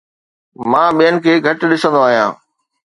مان ٻين کي گهٽ ڏسندو آهيان